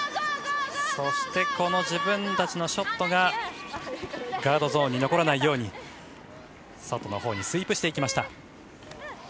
そして、自分たちのショットがガードゾーンに残らないように外のほうにスイープしていきました。